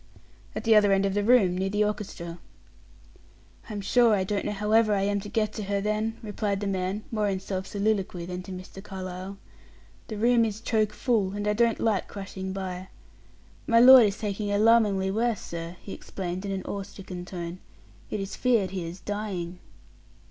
"At the other end of the room, near the orchestra." "I'm sure I don't know however I am to get to her, then," returned the man more in self soliloquy than to Mr. Carlyle. "The room is choke full, and I don't like crushing by. My lord is taken alarmingly worse, sir," he explained in an awe stricken tone; "it is feared he is dying."